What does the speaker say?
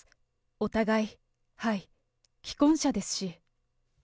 お互い、はい、既婚者ですし。